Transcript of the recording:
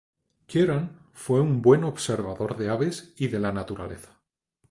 Kieran fue un buen observador de aves y de la naturaleza.